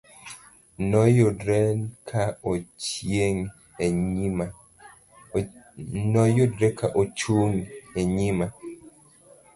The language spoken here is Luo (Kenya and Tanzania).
Noyudre ka Ochung' e nyima.